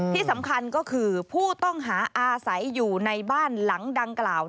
ที่สำคัญก็คือผู้ต้องหาอาศัยอยู่ในบ้านหลังดังกล่าว